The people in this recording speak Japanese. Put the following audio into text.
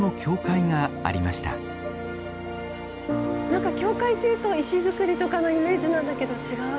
何か教会っていうと石造りとかのイメーシなんだけど違う。